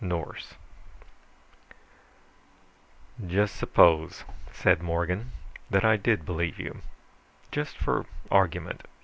Circus "Just suppose," said Morgan, "that I did believe you. Just for argument."